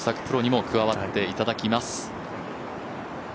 プロにも加わっていただきます。